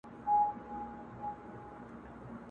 چي دا پاته ولي داسي له اغیار یو؟!